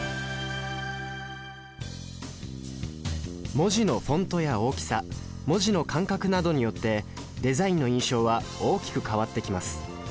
文字のフォントや大きさ文字の間隔などによってデザインの印象は大きく変わってきます